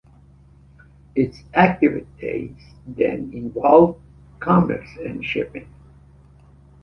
Its activities then involved commerce and shipping.